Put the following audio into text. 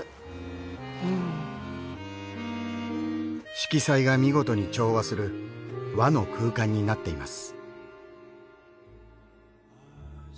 色彩が見事に調和する和の空間になっています。